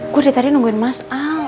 gue dari tadi nungguin mas al